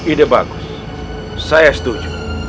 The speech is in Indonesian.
ide bagus saya setuju